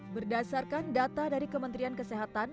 berdasarkan data dari kementerian kesehatan